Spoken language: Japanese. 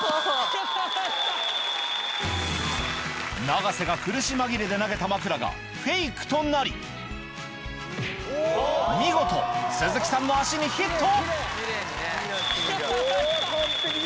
永瀬が苦し紛れで投げた枕がフェイクとなり、見事、鈴木さんの足にヒット。